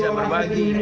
saya bisa berbagi